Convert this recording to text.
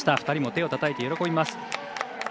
２人も、手をたたいて喜びます。